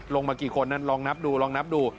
ลงมากี่คนลองนับดูลองนับดู